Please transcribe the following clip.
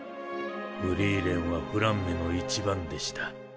フリーレンはフランメの一番弟子だ。